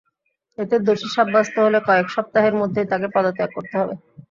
এতে দোষী সাব্যস্ত হলে কয়েক সপ্তাহের মধ্যেই তাঁকে পদত্যাগ করতে হবে।